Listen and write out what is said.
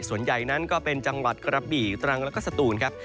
ส่วนใหญ่นั้นก็เป็นจังหวัดกระบี่ตรังแล้วก็สตูนครับ